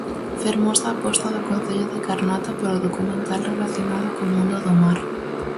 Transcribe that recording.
Fermosa aposta do Concello de Carnota polo documental relacionado co mundo do mar.